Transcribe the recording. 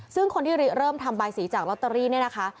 ซึ่งคนที่เริ่มทำบายสีจากลอตเตอรี่เนี่ยนะคะ